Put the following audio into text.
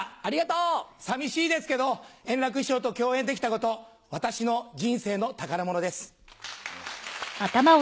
さみしいですけど、円楽師匠と共演できたこと、私の人生の宝物です。